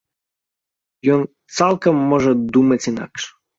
Ён цалкам можа думаць інакш.